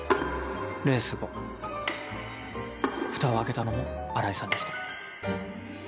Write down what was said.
レース後蓋を開けたのも新井さんでした。